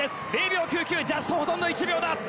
０秒９９ジャストほとんど１秒だ！